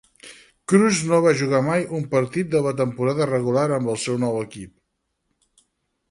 Crews no va jugar mai un partit de la temporada regular amb el seu nou equip.